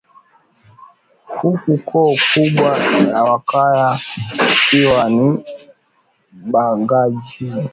huku koo kubwa ya Wakwaya ikiwa ni Bhagangaji